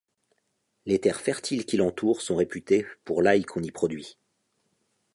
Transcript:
Les terres fertiles qui l'entourent sont réputées pour l'ail qu'on y produit.